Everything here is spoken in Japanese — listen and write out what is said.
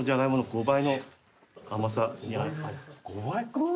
５倍。